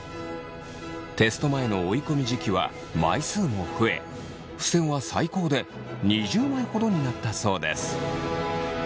テスト前の追い込み時期は枚数も増えふせんは最高で２０枚ほどになったそうです。